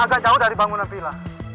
agak jauh dari bangunan villa